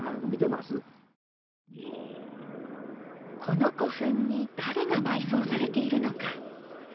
この古墳に誰が埋葬されているのか。